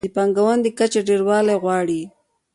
د پانګونې د کچې ډېروالی غواړي.